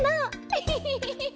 エヘヘヘヘヘ。